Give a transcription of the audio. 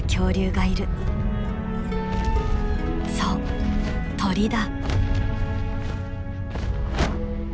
そう鳥だ。